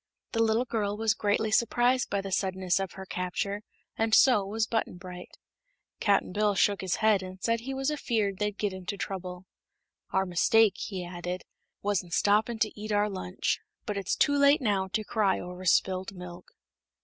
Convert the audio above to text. The little girl was greatly surprised by the suddenness of her capture, and so was Button Bright. Cap'n Bill shook his head and said he was afeared they'd get into trouble. "Our mistake," he added, "was in stoppin' to eat our lunch. But it's too late now to cry over spilt milk."